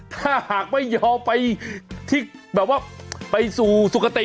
ถ้าหากไม่ยอมไปที่แบบว่าไปสู่สุขติ